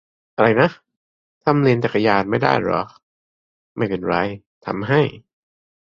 อะไรนะ ? ทำเลนจักรยานไม่ได้เหรอ ? ไม่เป็นไร ทำให้